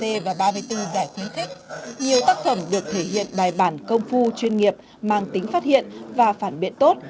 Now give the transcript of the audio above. nhiều tác phẩm được thể hiện bài bản công phu chuyên nghiệp mang tính phát hiện và phản biện tốt